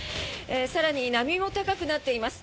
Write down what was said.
更に波も高くなっています。